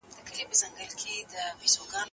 له حملو د ګیدړانو د لېوانو